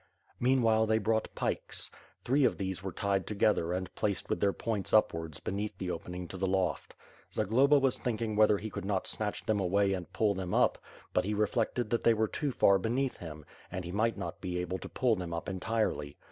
Meanwhile, they brought pikes. Three of these were tied together and placed with their points upwards beneath the opening to the loft. Zagloba was thinking whether he could not snatch them away and pull them up, but he reflected that they were too far beneath him, and he might not be able to pull them up entirely.